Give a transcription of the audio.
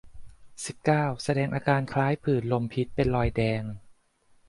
สิบเก้า แสดงอาการคล้ายผื่นลมพิษ เป็นรอยแดง